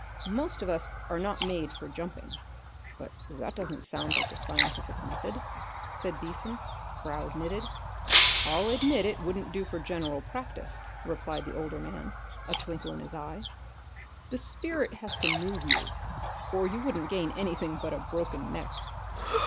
Most of us are not made for jumping." "But that doesn't sound like the scientific method," said Beason, brows knitted. "I'll admit it wouldn't do for general practice," replied the older man, a twinkle in his eye. "The spirit has to move you, or you wouldn't gain anything but a broken neck."